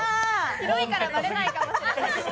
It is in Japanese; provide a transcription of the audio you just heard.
広いからバレないかもしれない。